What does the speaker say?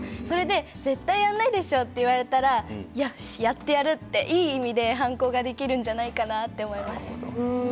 絶対やらないでしょと言われたらやってやるっていい意味で反抗はできるんじゃないかなと思います。